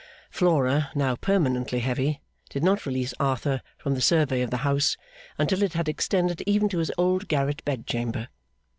Flora, now permanently heavy, did not release Arthur from the survey of the house, until it had extended even to his old garret bedchamber.